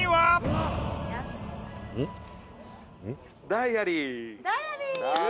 「ダイアリー！」